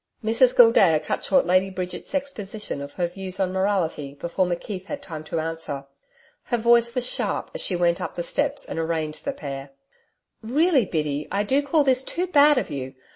Mrs Gildea cut short Lady Bridget's exposition of her views on morality before McKeith had time to answer. Her voice was sharp as she went up the steps and arraigned the pair. 'Really, Biddy, I do call this too bad of you.